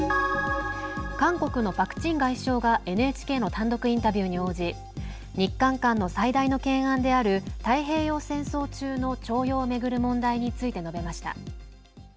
韓国のパク・チン外相がＮＨＫの単独インタビューに応じ日韓間の最大の懸案である太平洋戦争中の徴用を巡る問題について述べました。